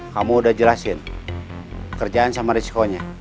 kamu udah jelasin kerjaan sama risikonya